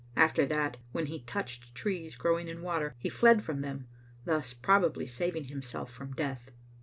After that, when he touched trees growing in water, he fled from them, thus probably saving himself from death.